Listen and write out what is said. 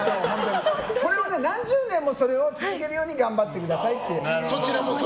それを何十年も続けるように頑張ってくださいと。